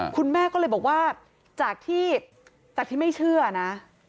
คุณแม่ก็เลยบอกว่าจากที่จากที่ไม่เชื่อนะ